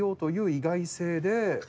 意外性です。